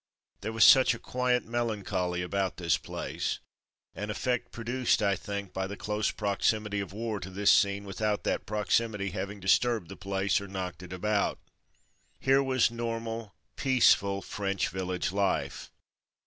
There was such a quiet melancholy about this place, an effect pro duced, I think, by the close proximity of war to this scene without that proximity having disturbed the place or knocked it about. Here was normal, peaceful French village life.